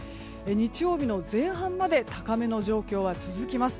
日曜日の前半まで高めの状況は続きます。